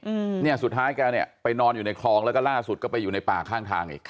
อืมเนี่ยสุดท้ายแกเนี่ยไปนอนอยู่ในคลองแล้วก็ล่าสุดก็ไปอยู่ในป่าข้างทางอีกค่ะ